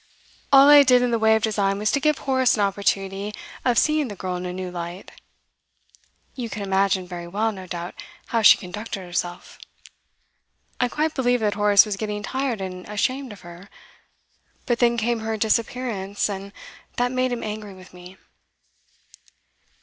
All I did in the way of design was to give Horace an opportunity of seeing the girl in a new light. You can imagine very well, no doubt, how she conducted herself. I quite believe that Horace was getting tired and ashamed of her, but then came her disappearance, and that made him angry with me.